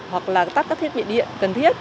hoặc là tắt các thiết bị điện cần thiết